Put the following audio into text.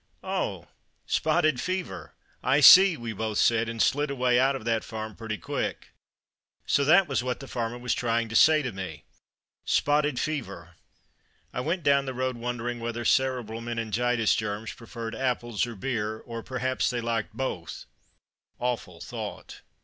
"Oh! spotted fever! I see!" we both said, and slid away out of that farm pretty quick. So that was what that farmer was trying to say to me: spotted fever! I went down the road wondering whether cerebral meningitis germs preferred apples or beer, or perhaps they liked both; awful thought!